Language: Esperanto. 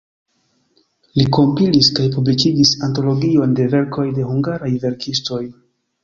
Li kompilis kaj publikigis antologion de verkoj de hungaraj verkistoj.